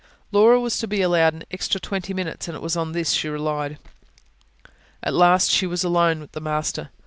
Laura was to be allowed an extra twenty minutes, and it was on this she relied. At last, she was alone with the master.